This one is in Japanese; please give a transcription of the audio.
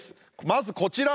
まずこちら！